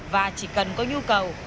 và chỉ cần có nhu cầu